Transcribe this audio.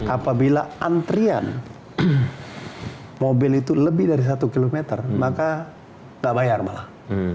apabila antrian mobil itu lebih dari satu km maka gak bayar malah